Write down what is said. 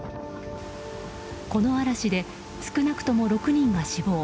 この嵐で、少なくとも６人が死亡。